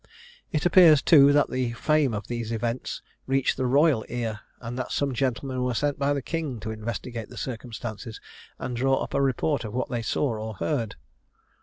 It appears, too, that the fame of these events reached the royal ear, and that some gentlemen were sent by the King to investigate the circumstances, and draw up a report of what they saw or heard.